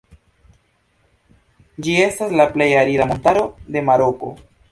Ĝi estas la plej arida montaro de Maroko.